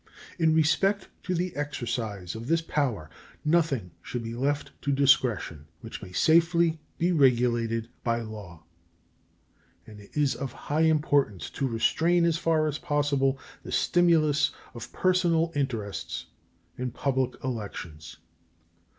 In respect to the exercise of this power nothing should be left to discretion which may safely be regulated by law, and it is of high importance to restrain as far as possible the stimulus of personal interests in public elections.